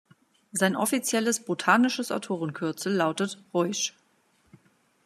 Sein offizielles botanisches Autorenkürzel lautet „Ruysch“.